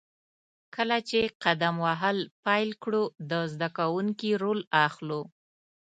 کله چې قدم وهل پیل کړو، د زده کوونکي رول اخلو.